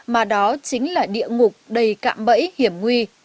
mà đó chính là địa ngục đầy cạm bẫy hiểm nguy